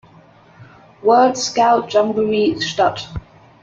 World Scout Jamboree statt.